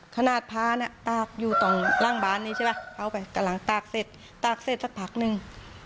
ขนาดพาเนี่ยตากอยู่ตรงล่างบานนี้ใช่ป่ะเอาไปกำลังตากเสร็จตากเสร็จสักพักนึง